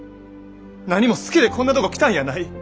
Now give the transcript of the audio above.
何も好きでこんなとこ来たんやない！